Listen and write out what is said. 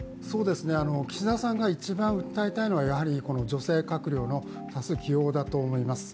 岸田さんが一番訴えたいのは女性閣僚の多数起用だと思います。